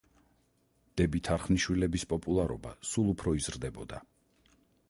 დები თარხნიშვილების პოპულარობა სულ უფრო იზრდებოდა.